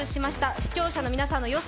視聴者の皆さんの予想